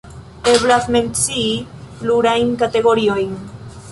Eblas mencii plurajn kategoriojn.